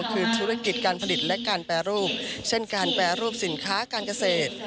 คือธุรกิจการผลิตและการแปรรูปเช่นการแปรรูปสินค้าการเกษตร